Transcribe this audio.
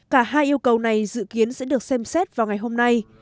cả hai yêu cầu này dự kiến sẽ được xem xét vào ngày hôm nay